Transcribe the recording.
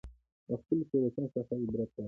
د خپلو تېروتنو څخه عبرت واخلئ.